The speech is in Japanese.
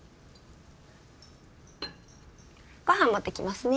ごはん持ってきますね。